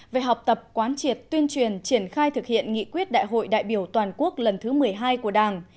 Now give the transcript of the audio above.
về học tập quán triệt tuyên truyền triển khai thực hiện nghị quyết đại hội đại biểu toàn quốc lần thứ một mươi hai của đảng